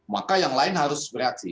maka yang lain harus bereaksi